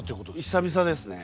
久々ですね。